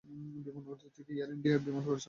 বিমানবন্দরটি থেকে Air India বিমান পরিচালনা করে।